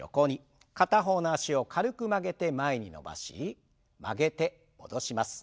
片方の脚を軽く曲げて前に伸ばし曲げて戻します。